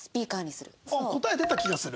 あっ答え出た気がする。